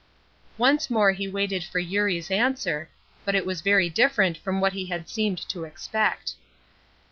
Once more he waited for Eurie's answer, but it was very different from what he had seemed to expect.